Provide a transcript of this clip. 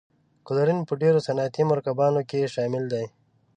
کلورین په ډیرو صنعتي مرکباتو کې شامل دی.